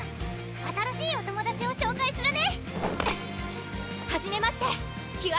新しいお友達を紹介するね！